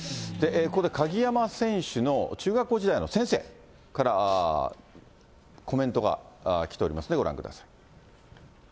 ここで鍵山選手の中学校時代の先生から、コメントが来ておりますので、ご覧ください。